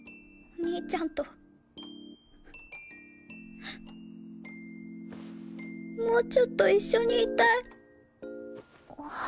お兄ちゃんともうちょっと一緒にいたい。